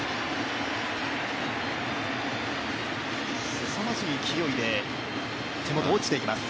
すさまじい勢いで手元、落ちていきます。